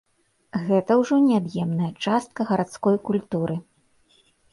Гэта ўжо неад'емная частка гарадской культуры.